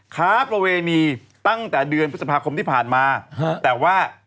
ค้าประเวณีตั้งแต่เดือนพฤษภาคมที่ผ่านมาแต่ว่า